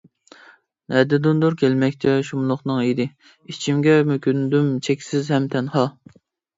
نەدىندۇر كەلمەكتە شۇملۇقنىڭ ھىدى، ئىچىمگە مۆكۈندۈم چەكسىز ھەم تەنھا.